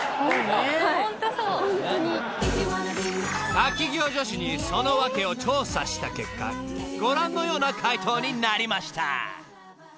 ［滝行女子にそのワケを調査した結果ご覧のような回答になりました］